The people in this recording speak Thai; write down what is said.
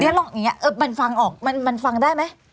เดี๋ยวลองอย่างนี้มันฟังออกมันฟังได้ไหม